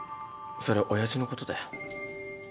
それ親父のことだよ。